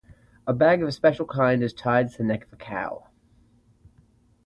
A bag of a special kind is tied to the neck of a cow.